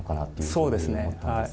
そうですね。